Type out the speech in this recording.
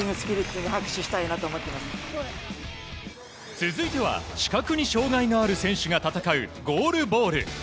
続いては視覚に障害がある選手が戦うゴールボール。